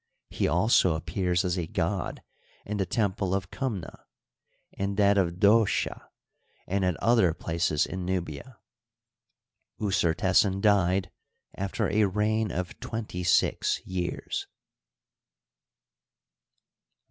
He also appears as a god in the temple of Kumneh, in that of Dosheh, and at other places in Nubia. Usertesen died after a reig^ of twenty six years.